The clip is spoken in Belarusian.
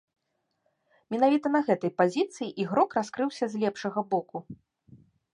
Менавіта на гэтай пазіцыі ігрок раскрыўся з лепшага боку.